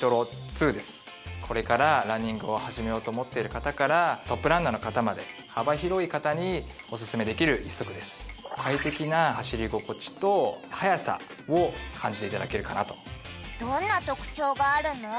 これからランニングを始めようと思ってる方からトップランナーの方まで幅広い方にオススメできる一足ですを感じていただけるかなとどんな特徴があるの？